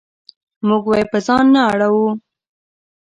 موږ به یې په ځان نه اړوو.